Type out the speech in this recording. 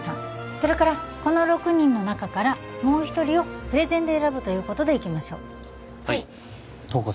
それからこの６人の中からもう一人をプレゼンで選ぶということでいきましょうはい瞳子さん